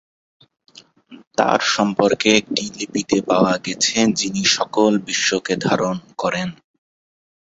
তার সম্পর্কে একটি লিপিতে পাওয়া গেছে, "যিনি সকল বিশ্বকে ধারণ করেন"।